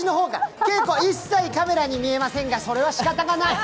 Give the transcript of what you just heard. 敬子、一切カメラから見えませんがそれはしかたがない！